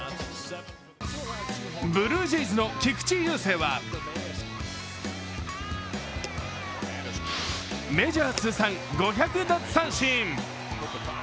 ブルージェイズの菊池雄星はメジャー通算５００奪三振。